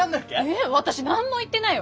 え私何も言ってないよ。